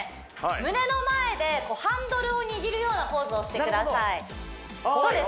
胸の前でハンドルを握るようなポーズをしてくださいそうです